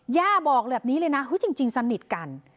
ย่าบอกแบบนี้เลยนะจริงสนิทกัน